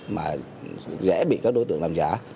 mà dễ bị các đối tượng làm giả